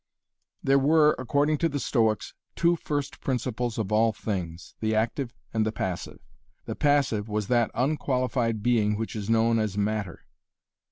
There were, according to the Stoics, two first principles of all things, the active and the passive. The passive was that unqualified being which is known as Matter.